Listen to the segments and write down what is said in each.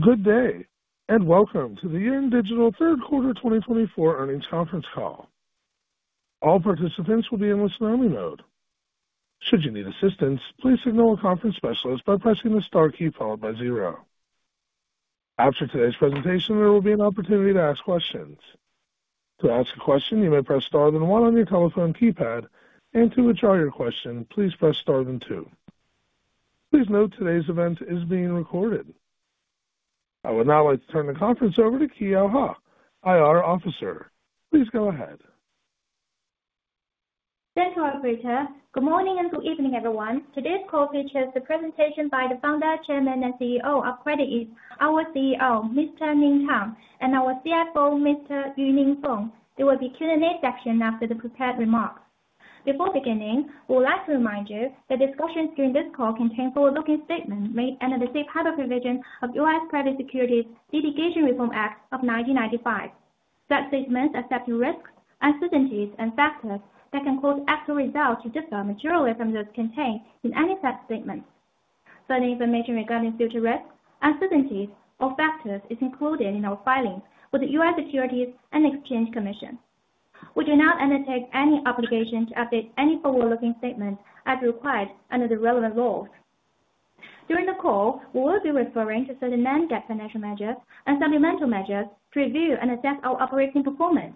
Good day, and welcome to the Yiren Digital third quarter 2024 earnings conference call. All participants will be in listen-only mode. Should you need assistance, please signal a conference specialist by pressing the star key followed by zero. After today's presentation, there will be an opportunity to ask questions. To ask a question, you may press star then one on your telephone keypad, and to withdraw your question, please press star then two. Please note today's event is being recorded. I would now like to turn the conference over to Keyao He, IR Officer. Please go ahead. Thank you, Operator. Good morning and good evening, everyone. Today's call features the presentation by the Founder, Chairman, and CEO of CreditEase, our CEO, Mr. Ning Tang, and our CFO, Mr. Yuning Feng. There will be a Q&A section after the prepared remarks. Before beginning, we would like to remind you that discussions during this call contain forward-looking statements made under the safe harbor provision of U.S. Private Securities Litigation Reform Act of 1995. Such statements accept risks, uncertainties, and factors that can cause actual results to differ materially from those contained in any such statement. Certain information regarding future risks, uncertainties, or factors is included in our filings with the U.S. Securities and Exchange Commission. We do not undertake any obligation to update any forward-looking statements as required under the relevant laws. During the call, we will be referring to certain non-GAAP financial measures and supplemental measures to review and assess our operating performance.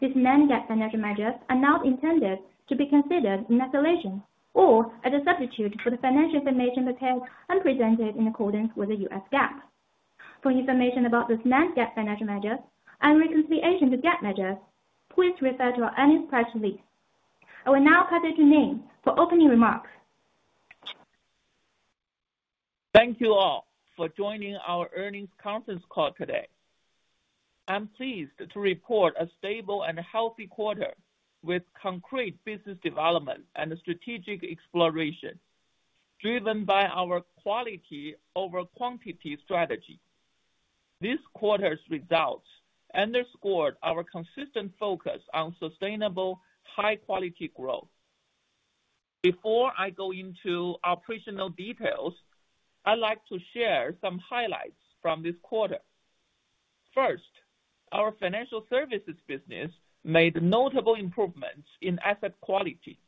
These non-GAAP financial measures are not intended to be considered in isolation or as a substitute for the financial information prepared and presented in accordance with the U.S. GAAP. For information about those non-GAAP financial measures and reconciliation to GAAP measures, please refer to our earnings press release. I will now pass it to Ning for opening remarks. Thank you all for joining our earnings conference call today. I'm pleased to report a stable and healthy quarter with concrete business development and strategic exploration driven by our quality-over-quantity strategy. This quarter's results underscored our consistent focus on sustainable, high-quality growth. Before I go into operational details, I'd like to share some highlights from this quarter. First, our financial services business made notable improvements in asset quality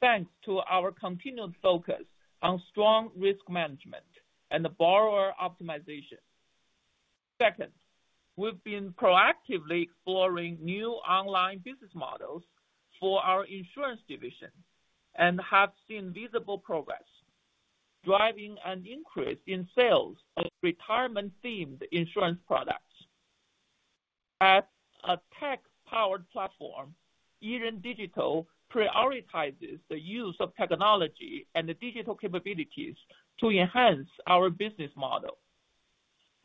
thanks to our continued focus on strong risk management and borrower optimization. Second, we've been proactively exploring new online business models for our insurance division and have seen visible progress, driving an increase in sales of retirement-themed insurance products. As a tech-powered platform, Yiren Digital prioritizes the use of technology and digital capabilities to enhance our business model.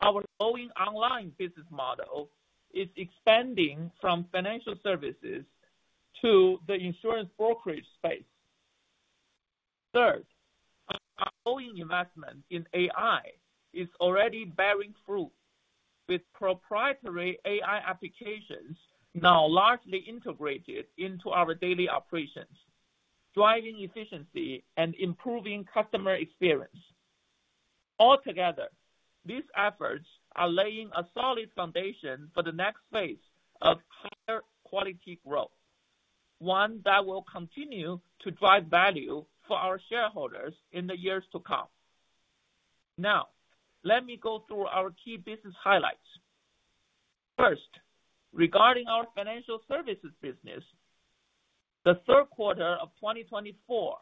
Our growing online business model is expanding from financial services to the insurance brokerage space. Third, our growing investment in AI is already bearing fruit, with proprietary AI applications now largely integrated into our daily operations, driving efficiency and improving customer experience. Altogether, these efforts are laying a solid foundation for the next phase of higher quality growth, one that will continue to drive value for our shareholders in the years to come. Now, let me go through our key business highlights. First, regarding our financial services business, the third quarter of 2024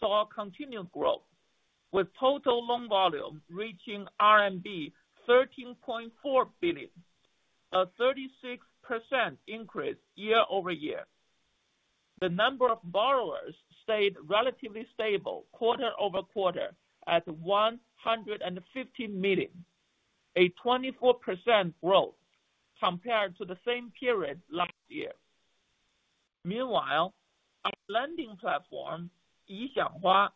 saw continued growth, with total loan volume reaching RMB 13.4 billion, a 36% increase year-over-year. The number of borrowers stayed relatively stable quarter-over-quarter at 150 million, a 24% growth compared to the same period last year. Meanwhile, our lending platform, Yi Xiang Hua,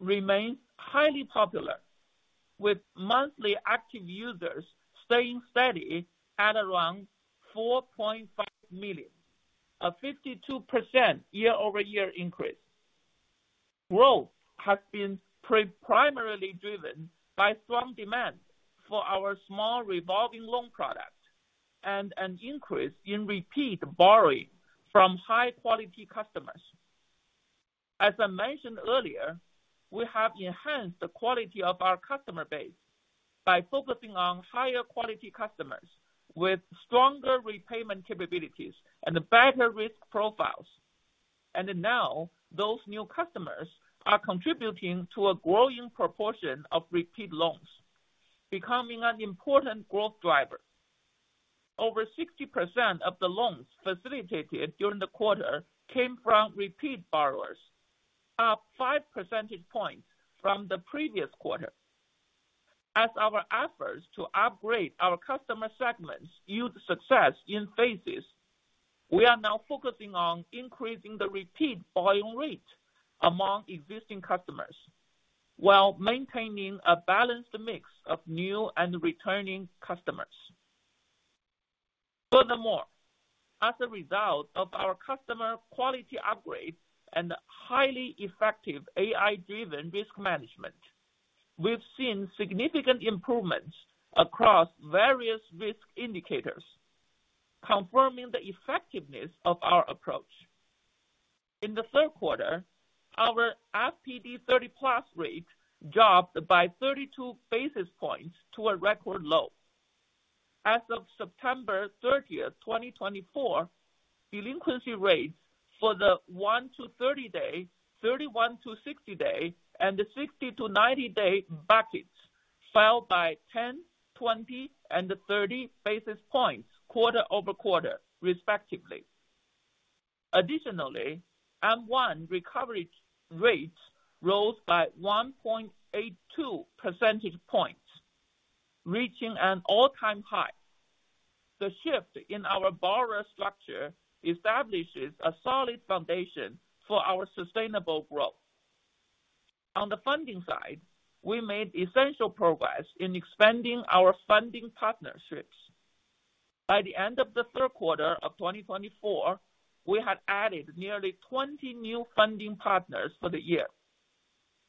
remains highly popular, with monthly active users staying steady at around 4.5 million, a 52% year-over-year increase. Growth has been primarily driven by strong demand for our small revolving loan product and an increase in repeat borrowing from high-quality customers. As I mentioned earlier, we have enhanced the quality of our customer base by focusing on higher-quality customers with stronger repayment capabilities and better risk profiles. And now, those new customers are contributing to a growing proportion of repeat loans, becoming an important growth driver. Over 60% of the loans facilitated during the quarter came from repeat borrowers, up 5 percentage points from the previous quarter. As our efforts to upgrade our customer segments yield success in phases, we are now focusing on increasing the repeat borrowing rate among existing customers while maintaining a balanced mix of new and returning customers. Furthermore, as a result of our customer quality upgrade and highly effective AI-driven risk management, we've seen significant improvements across various risk indicators, confirming the effectiveness of our approach. In the third quarter, our FPD 30+ rate dropped by 32 basis points to a record low. As of September 30th, 2024, delinquency rates for the 1 to 30-day, 31 to 60-day, and the 60 to 90-day buckets fell by 10, 20, and 30 basis points quarter-over-quarter, respectively. Additionally, M1 recovery rates rose by 1.82 percentage points, reaching an all-time high. The shift in our borrower structure establishes a solid foundation for our sustainable growth. On the funding side, we made essential progress in expanding our funding partnerships. By the end of the third quarter of 2024, we had added nearly 20 new funding partners for the year.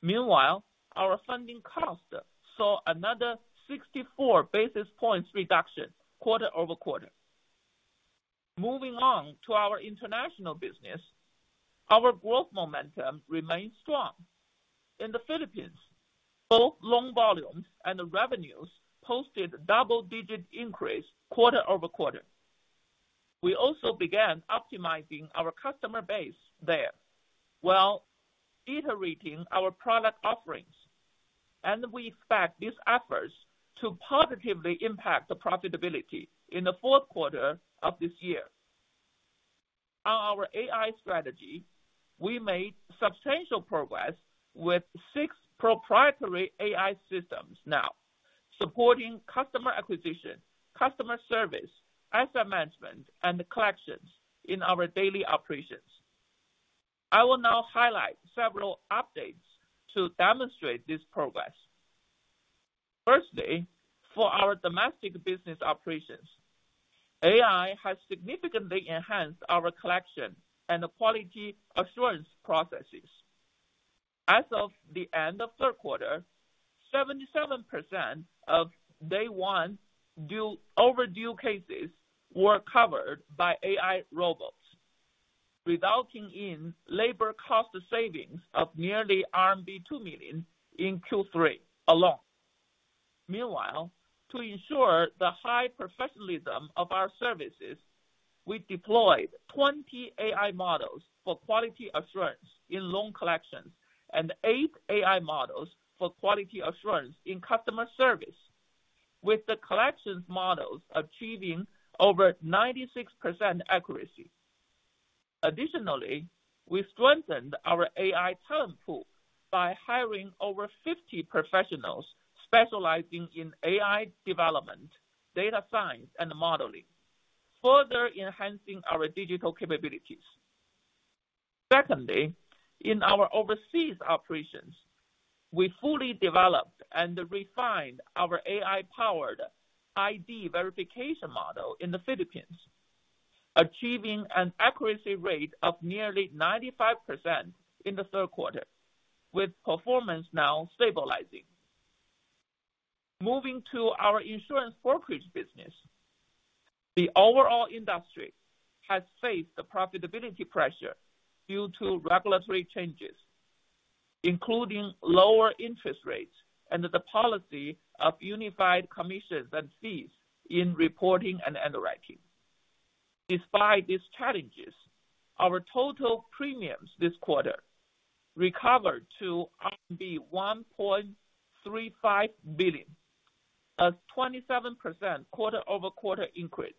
Meanwhile, our funding cost saw another 64 basis points reduction quarter-over-quarter. Moving on to our international business, our growth momentum remains strong. In the Philippines, both loan volumes and revenues posted a double-digit increase quarter-over-quarter. We also began optimizing our customer base there while iterating our product offerings, and we expect these efforts to positively impact the profitability in the fourth quarter of this year. On our AI strategy, we made substantial progress with six proprietary AI systems now supporting customer acquisition, customer service, asset management, and collections in our daily operations. I will now highlight several updates to demonstrate this progress. Firstly, for our domestic business operations, AI has significantly enhanced our collection and quality assurance processes. As of the end of the third quarter, 77% of day-one overdue cases were covered by AI robots, resulting in labor cost savings of nearly RMB 2 million in Q3 alone. Meanwhile, to ensure the high professionalism of our services, we deployed 20 AI models for quality assurance in loan collections and eight AI models for quality assurance in customer service, with the collections models achieving over 96% accuracy. Additionally, we strengthened our AI talent pool by hiring over 50 professionals specializing in AI development, data science, and modeling, further enhancing our digital capabilities. Secondly, in our overseas operations, we fully developed and refined our AI-powered ID verification model in the Philippines, achieving an accuracy rate of nearly 95% in the third quarter, with performance now stabilizing. Moving to our insurance brokerage business, the overall industry has faced profitability pressure due to regulatory changes, including lower interest rates and the policy of unified commissions and fees in reporting and underwriting. Despite these challenges, our total premiums this quarter recovered to RMB 1.35 billion, a 27% quarter-over-quarter increase.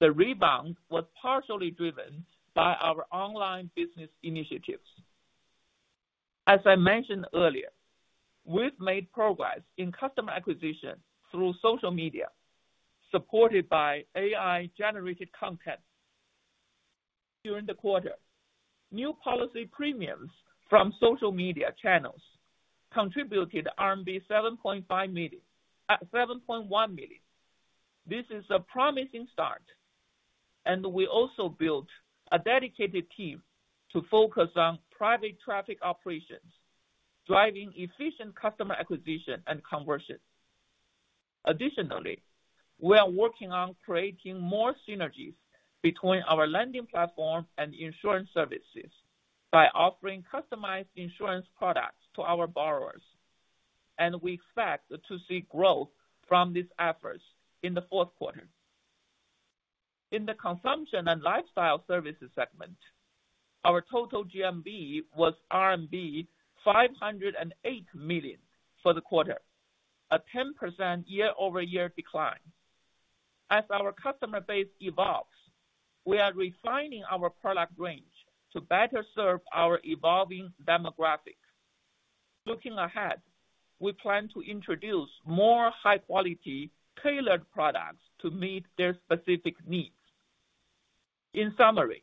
The rebound was partially driven by our online business initiatives. As I mentioned earlier, we've made progress in customer acquisition through social media, supported by AI-generated content. During the quarter, new policy premiums from social media channels contributed 7.1 million. This is a promising start, and we also built a dedicated team to focus on private traffic operations, driving efficient customer acquisition and conversion. Additionally, we are working on creating more synergies between our lending platform and insurance services by offering customized insurance products to our borrowers, and we expect to see growth from these efforts in the fourth quarter. In the consumption and lifestyle services segment, our total GMV was RMB 508 million for the quarter, a 10% year-over-year decline. As our customer base evolves, we are refining our product range to better serve our evolving demographic. Looking ahead, we plan to introduce more high-quality, tailored products to meet their specific needs. In summary,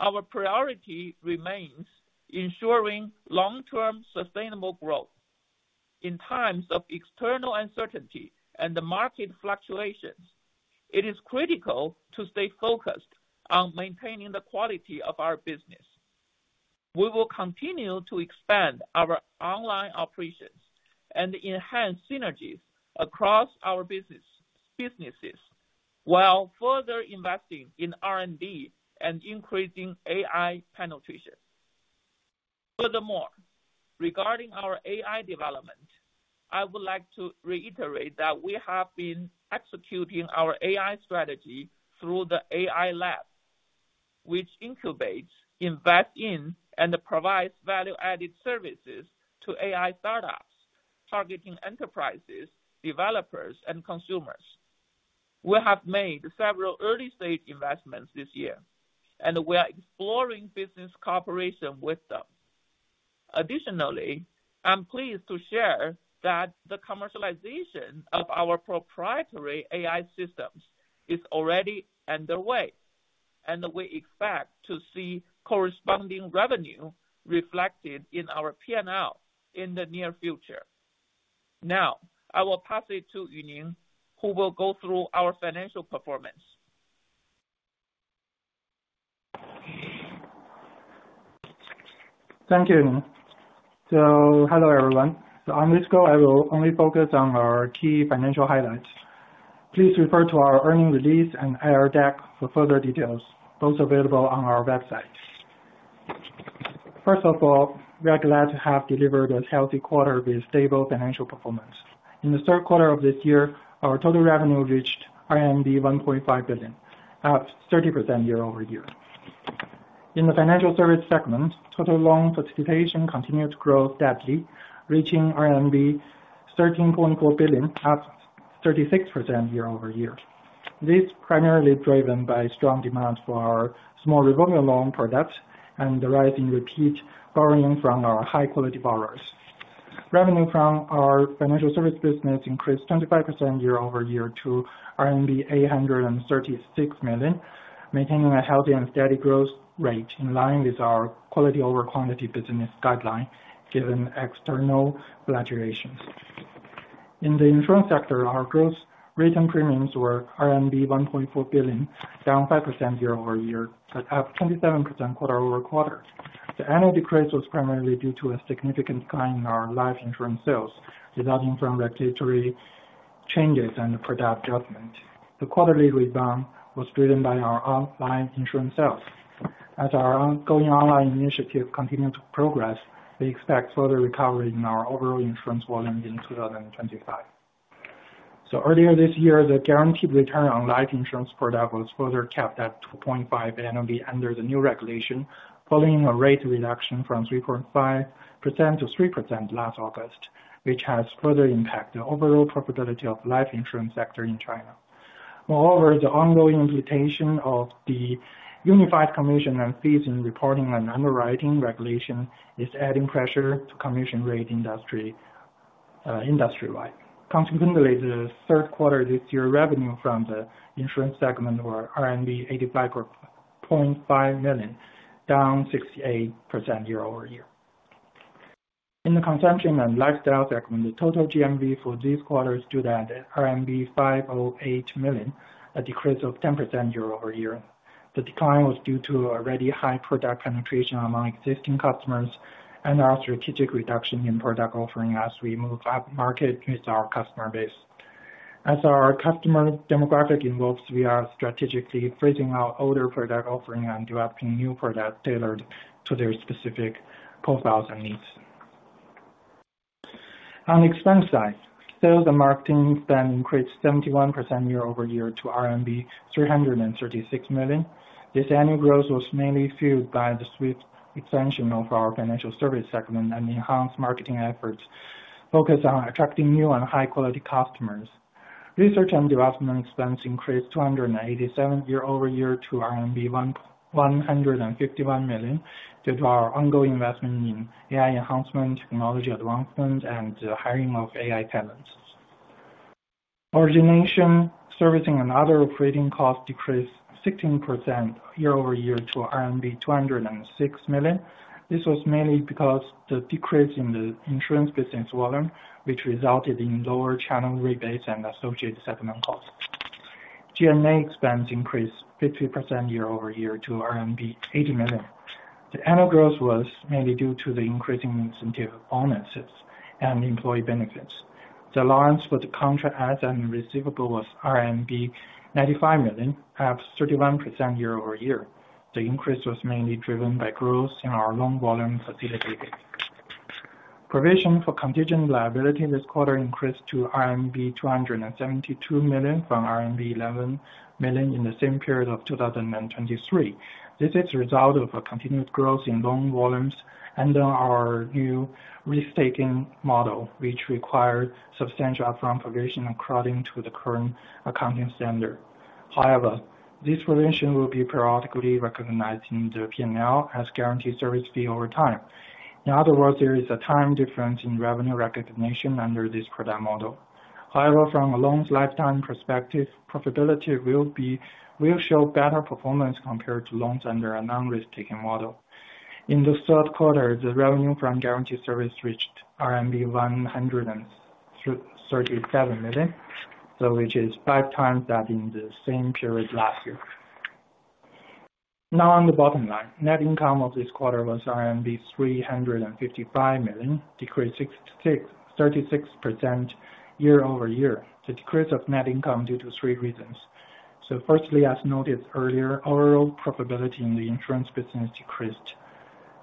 our priority remains ensuring long-term sustainable growth. In times of external uncertainty and market fluctuations, it is critical to stay focused on maintaining the quality of our business. We will continue to expand our online operations and enhance synergies across our businesses while further investing in R&D and increasing AI penetration. Furthermore, regarding our AI development, I would like to reiterate that we have been executing our AI strategy through the AI Lab, which incubates, invests in, and provides value-added services to AI startups targeting enterprises, developers, and consumers. We have made several early-stage investments this year, and we are exploring business cooperation with them. Additionally, I'm pleased to share that the commercialization of our proprietary AI systems is already underway, and we expect to see corresponding revenue reflected in our P&L in the near future. Now, I will pass it to Yuning, who will go through our financial performance. Thank you. Hello, everyone. On this call, I will only focus on our key financial highlights. Please refer to our earnings release and IR deck for further details, both available on our website. First of all, we are glad to have delivered a healthy quarter with stable financial performance. In the third quarter of this year, our total revenue reached RMB 1.5 billion, up 30% year-over-year. In the financial services segment, total loan participation continued to grow steadily, reaching RMB 13.4 billion, up 36% year-over-year. This is primarily driven by strong demand for our small revolving loan product and the rise in repeat borrowing from our high-quality borrowers. Revenue from our financial services business increased 25% year-over-year to RMB 836 million, maintaining a healthy and steady growth rate in line with our quality-over-quantity business guideline given external fluctuations. In the insurance sector, our gross written premiums were RMB 1.4 billion, down 5% year-over-year, up 27% quarter-over-quarter. The annual decrease was primarily due to a significant decline in our life insurance sales, resulting from regulatory changes and product adjustment. The quarterly rebound was driven by our online insurance sales. As our ongoing online initiative continues to progress, we expect further recovery in our overall insurance volume in 2025. Earlier this year, the guaranteed return on life insurance product was further capped at 2.5% RMB under the new regulation, following a rate reduction from 3.5% to 3% last August, which has further impacted the overall profitability of the life insurance sector in China. Moreover, the ongoing implementation of the unified commissions and fees in reporting and underwriting regulation is adding pressure to the commission rate industry-wide. Consequently, the third quarter this year, revenue from the insurance segment were RMB 85.5 million, down 68% year-over-year. In the consumption and lifestyle segment, the total GMV for this quarter stood at RMB 508 million, a decrease of 10% year-over-year. The decline was due to already high product penetration among existing customers and our strategic reduction in product offering as we move upmarket with our customer base. As our customer demographic evolves, we are strategically phasing out older product offering and developing new products tailored to their specific profiles and needs. On expense side, sales and marketing spend increased 71% year-over-year to RMB 336 million. This annual growth was mainly fueled by the swift expansion of our financial services segment and enhanced marketing efforts focused on attracting new and high-quality customers. Research and development expense increased 287% year-over-year to RMB 151 million due to our ongoing investment in AI enhancement, technology advancement, and hiring of AI talents. Origination, servicing, and other operating costs decreased 16% year-over-year to RMB 206 million. This was mainly because of the decrease in the insurance business volume, which resulted in lower channel rebates and associated settlement costs. G&A expense increased 50% year-over-year to RMB 80 million. The annual growth was mainly due to the increase in incentive bonuses and employee benefits. The allowance for the contract assets and receivable was RMB 95 million, up 31% year-over-year. The increase was mainly driven by growth in our loan facilitation. Provision for contingent liability this quarter increased to RMB 272 million from RMB 11 million in the same period of 2023. This is the result of a continued growth in loan volumes and our new risk-taking model, which required substantial upfront provision according to the current accounting standard. However, this provision will be periodically recognized in the P&L as guaranteed service fee over time. In other words, there is a time difference in revenue recognition under this product model. However, from a loan's lifetime perspective, profitability will show better performance compared to loans under a non-risk-taking model. In the third quarter, the revenue from guaranteed service reached RMB 137 million, which is 5x that in the same period last year. Now, on the bottom line, net income of this quarter was RMB 355 million, decreased 36% year-over-year. The decrease of net income is due to three reasons. So, firstly, as noted earlier, overall profitability in the insurance business decreased.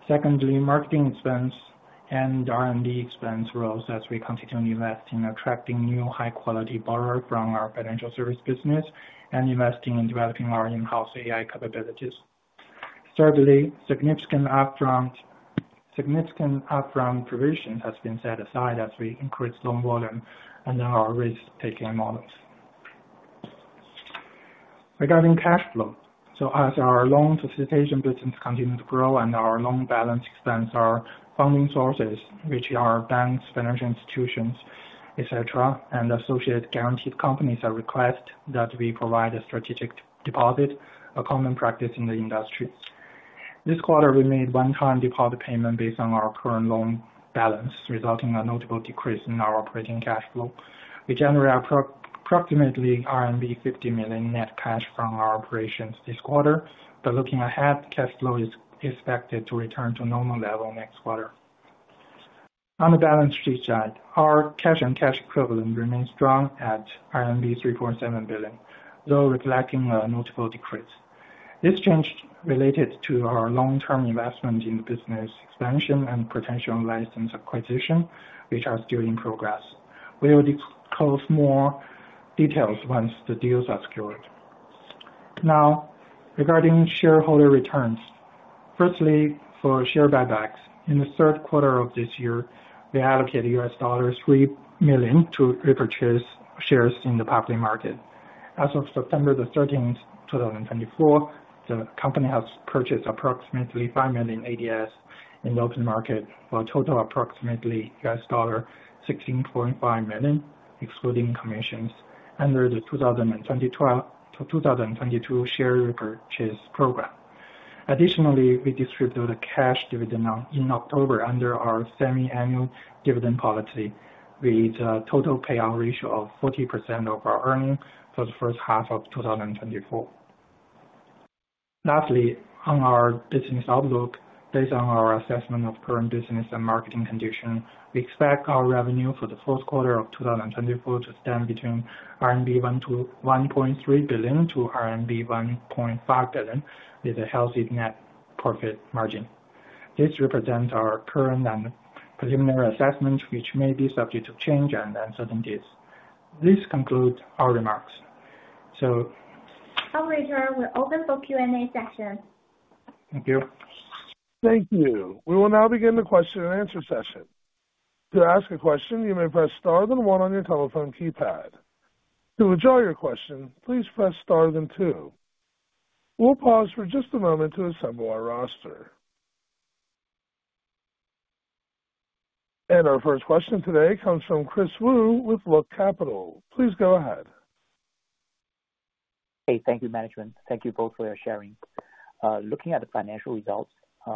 Secondly, marketing expense and R&D expense rose as we continued investing in attracting new high-quality borrowers from our financial services business and investing in developing our in-house AI capabilities. Thirdly, significant upfront provision has been set aside as we increased loan volume under our risk-taking models. Regarding cash flow, as our loan facilitation business continued to grow and our loan balance expansion, our funding sources, which are banks, financial institutions, etc., and associated guaranteed companies, are requesting that we provide a strategic deposit, a common practice in the industry. This quarter, we made one-time deposit payment based on our current loan balance, resulting in a notable decrease in our operating cash flow. We generated approximately RMB 50 million net cash from our operations this quarter, but looking ahead, cash flow is expected to return to normal level next quarter. On the balance sheet side, our cash and cash equivalent remains strong at RMB 3.7 billion, though reflecting a notable decrease. This change is related to our long-term investment in the business expansion and potential license acquisition, which are still in progress. We will disclose more details once the deals are secured. Now, regarding shareholder returns, firstly, for share buybacks, in the third quarter of this year, we allocated $3 million to repurchase shares in the public market. As of September 13th, 2024, the company has purchased approximately 5 million ADS in the open market for a total of approximately $16.5 million, excluding commissions, under the 2022 share repurchase program. Additionally, we distributed a cash dividend in October under our semi-annual dividend policy, with a total payout ratio of 40% of our earnings for the first half of 2024. Lastly, on our business outlook, based on our assessment of current business and marketing conditions, we expect our revenue for the fourth quarter of 2024 to stand between 1.3 billion-1.5 billion RMB, with a healthy net profit margin. This represents our current and preliminary assessment, which may be subject to change and uncertainties. This concludes our remarks. So All right, Yuning. We're open for Q&A session. Thank you. Thank you. We will now begin the question-and-answer session. To ask a question, you may press star then one on your telephone keypad. To withdraw your question, please press star then two. We'll pause for just a moment to assemble our roster, and our first question today comes from Kris Wu with Look Capital. Please go ahead. Hey, thank you, Management. Thank you both for your sharing. Looking at the financial results,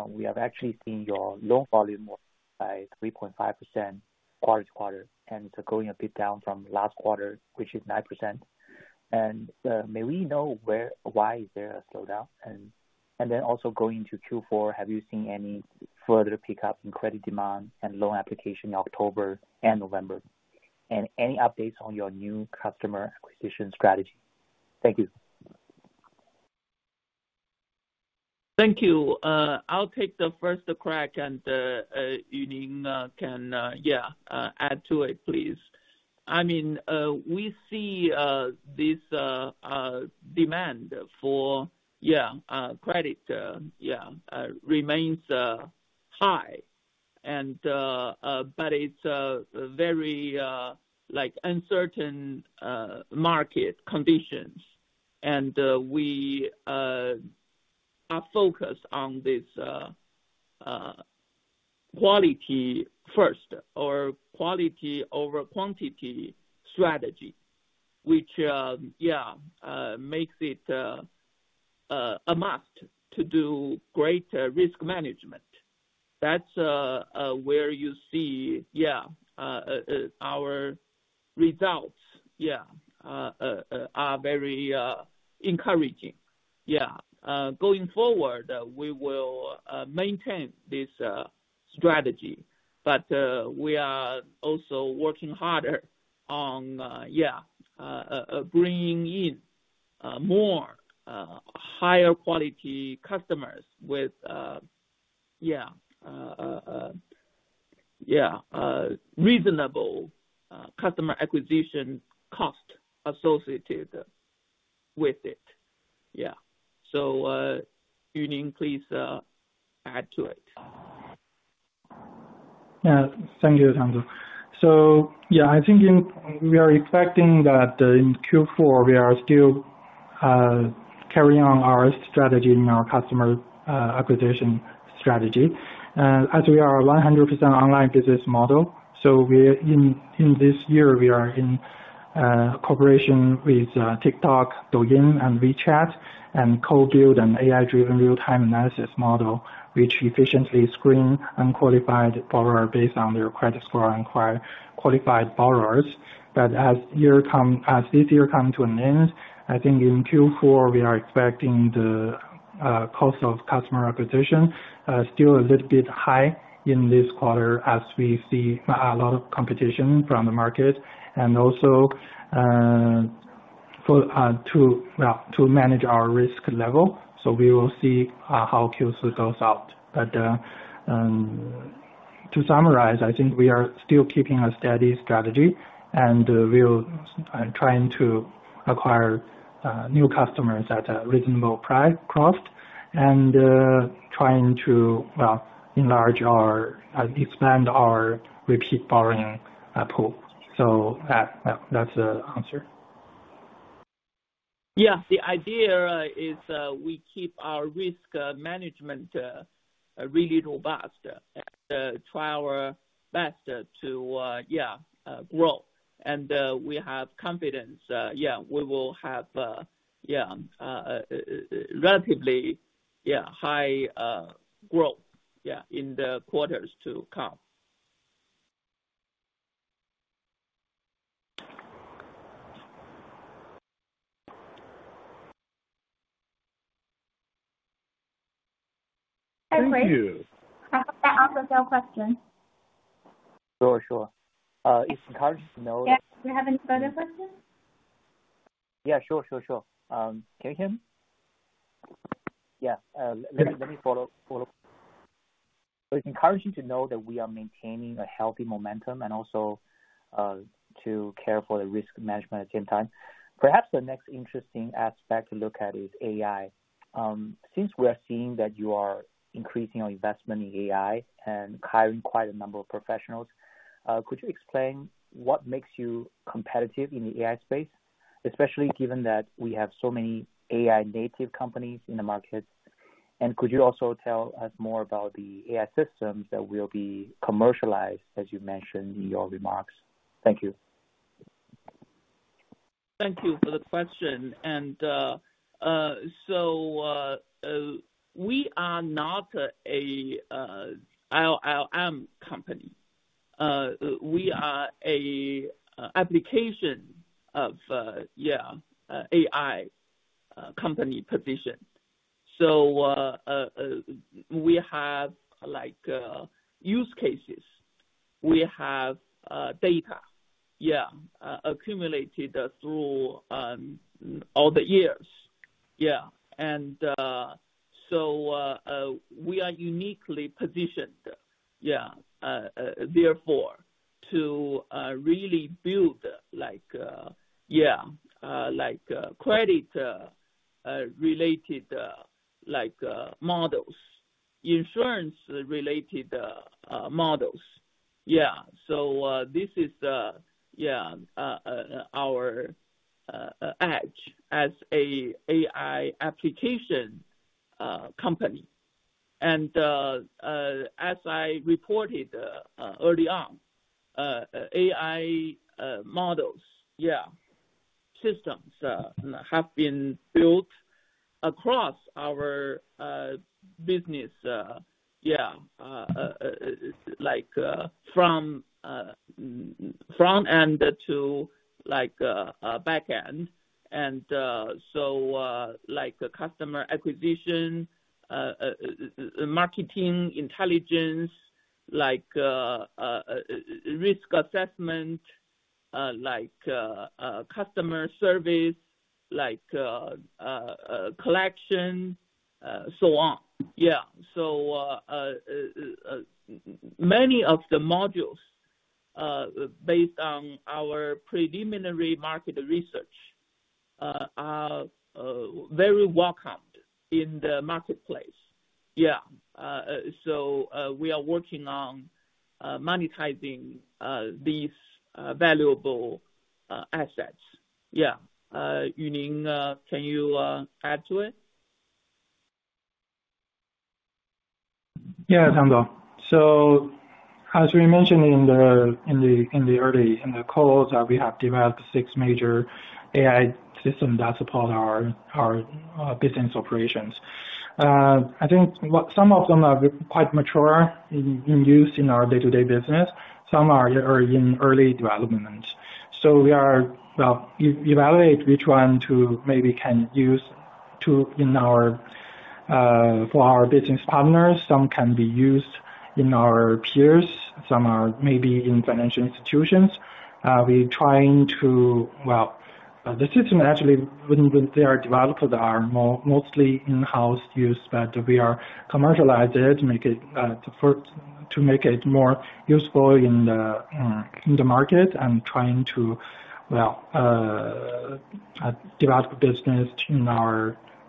we have actually seen your loan volume by 3.5% quarter-to-quarter, and it's going a bit down from last quarter, which is 9%. And may we know why is there a slowdown? And then also going into Q4, have you seen any further pickup in credit demand and loan application in October and November? And any updates on your new customer acquisition strategy? Thank you. Thank you. I'll take the first crack, and Yuning can, yeah, add to it, please. I mean, we see this demand for, yeah, credit, yeah, remains high, but it's very uncertain market conditions. And we are focused on this quality first or quality over quantity strategy, which, yeah, makes it a must to do great risk management. That's where you see, yeah, our results, yeah, are very encouraging. Yeah. Going forward, we will maintain this strategy, but we are also working harder on, yeah, bringing in more higher-quality customers with, yeah, yeah, reasonable customer acquisition cost associated with it. Yeah. So, Yuning, please add to it. Yeah. Thank you, Ning Tang. So, yeah, I think we are expecting that in Q4, we are still carrying on our strategy in our customer acquisition strategy. As we are a 100% online business model, so in this year, we are in cooperation with TikTok, Douyin, and WeChat, and co-build, an AI-driven real-time analysis model, which efficiently screens unqualified borrowers based on their credit score and qualified borrowers. But as this year comes to an end, I think in Q4, we are expecting the cost of customer acquisition still a little bit high in this quarter as we see a lot of competition from the market and also to manage our risk level. So we will see how Q3 goes out. But to summarize, I think we are still keeping a steady strategy and trying to acquire new customers at a reasonable cost and trying to, well, enlarge or expand our repeat borrowing pool. So that's the answer. Yeah. The idea is we keep our risk management really robust and try our best to, yeah, grow. And we have confidence we will have relatively high growth in the quarters to come. Thank you. I'll take that off the field question. Sure. It's encouraging to know. Do you have any further questions? Yeah. Can you hear me? Yeah. Let me follow up. So it's encouraging to know that we are maintaining a healthy momentum and also to care for the risk management at the same time. Perhaps the next interesting aspect to look at is AI. Since we are seeing that you are increasing your investment in AI and hiring quite a number of professionals, could you explain what makes you competitive in the AI space, especially given that we have so many AI-native companies in the market? And could you also tell us more about the AI systems that will be commercialized, as you mentioned in your remarks? Thank you. Thank you for the question. And so we are not an LLM company. We are an application of AI company position. So we have use cases. We have data accumulated through all the years. And so we are uniquely positioned therefore to really build credit-related models, insurance-related models. So this is our edge as an AI application company. And as I reported early on, AI models systems have been built across our business from front end to back end. And so customer acquisition, marketing intelligence, risk assessment, customer service, collection, so on. So many of the modules based on our preliminary market research are very welcomed in the marketplace. So we are working on monetizing these valuable assets. Yuning, can you add to it? Yeah, thank you. So as we mentioned in the early calls, we have developed six major AI systems that support our business operations. I think some of them are quite mature in use in our day-to-day business. Some are in early development. So we are evaluating which one to maybe can use for our business partners. Some can be used in our peers. Some are maybe in financial institutions. We're trying to, well, the system actually, when they are developed, are mostly in-house use, but we are commercializing it to make it more useful in the market and trying to, well, develop business,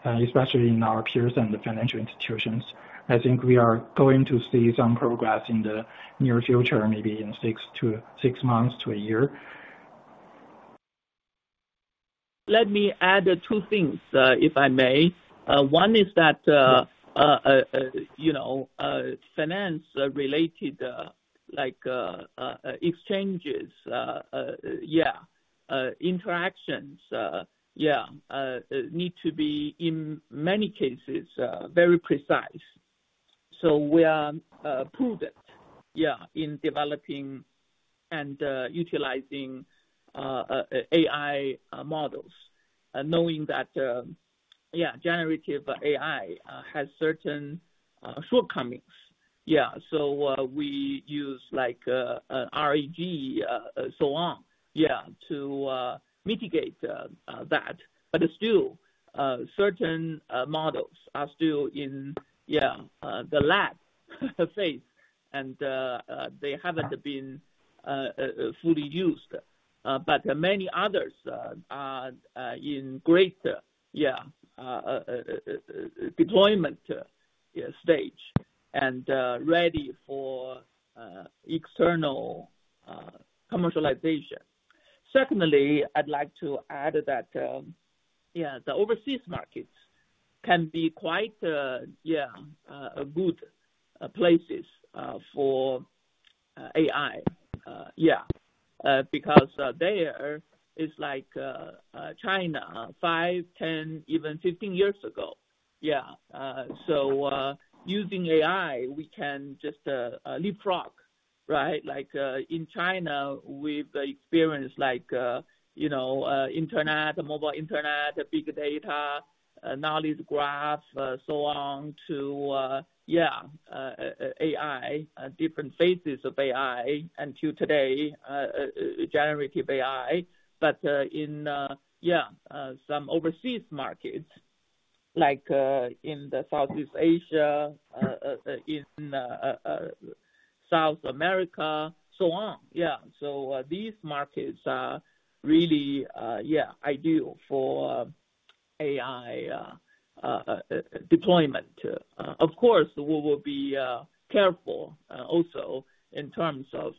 especially in our peers and the financial institutions. I think we are going to see some progress in the near future, maybe in six months to a year. Let me add two things, if I may. One is that finance-related exchanges, interactions, need to be, in many cases, very precise, so we are prudent in developing and utilizing AI models, knowing that generative AI has certain shortcomings, so we use RAG, so on, to mitigate that. But still, certain models are still in the lab phase, and they haven't been fully used. But many others are in great deployment stage and ready for external commercialization. Secondly, I'd like to add that the overseas markets can be quite good places for AI, because there is like China five, 10, even 15 years ago, so using AI, we can just leapfrog, right? In China, we've experienced internet, mobile internet, big data, knowledge graph, so on to AI, different phases of AI until today, generative AI. But in, yeah, some overseas markets, like in the Southeast Asia, in South America, so on. Yeah. So these markets are really, yeah, ideal for AI deployment. Of course, we will be careful also in terms of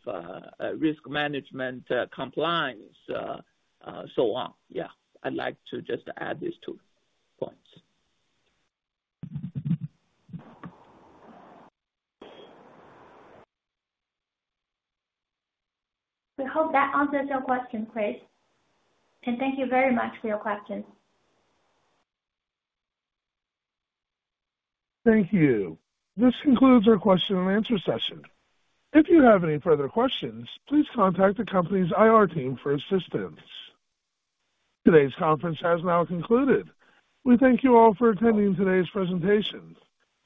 risk management, compliance, so on. Yeah. I'd like to just add these two points. We hope that answers your question, Kris. And thank you very much for your questions. Thank you. This concludes our question-and-answer session. If you have any further questions, please contact the company's IR team for assistance. Today's conference has now concluded. We thank you all for attending today's presentation.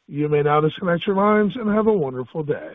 You may now disconnect your lines and have a wonderful day.